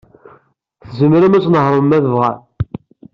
Tzemrem ad tnehṛem ma tebɣam.